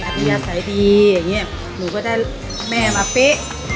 อัพยาสัยดีอย่างเงี้ยหนูก็ได้แม่มาป๊๊ะ